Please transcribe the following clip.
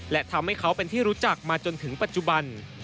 และทำให้เขาเป็นที่รู้จักมาจนถึงปัจจุบัน